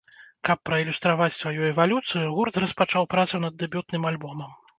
Каб праілюстраваць сваю эвалюцыю, гурт распачаў працу над дэбютным альбомам.